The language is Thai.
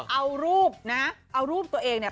เอารูปนะเอารูปตัวเองเนี่ย